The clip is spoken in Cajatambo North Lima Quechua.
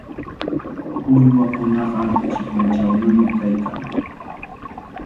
Uywakunaqa chikunchawnami kaykan.